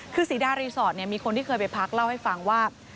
คือศรีดารีสอร์ทมีคนที่เคยไปพักเล่าให้ฟังว่า